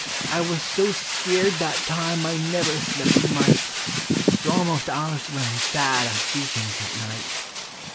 I wuz so skeered that time 1 never slep' a mite It 's almost alius when I'm bad 1 see things at night!